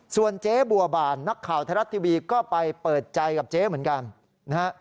ส่วนเจ๊บัวบานนักข่าวไทยรัฐทีวีก็ไปเปิดใจกับเจ๊เหมือนกันนะฮะ